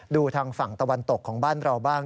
ดูทางฝั่งตะวันตกของบ้านเราบ้าง